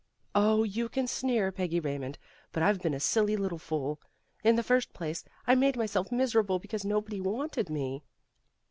"Oh, you can sneer, Peggy Raymond, but I've been a silly little fool. In the first place, I made myself miserable because nobody wanted me."